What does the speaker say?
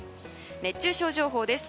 熱中症情報です。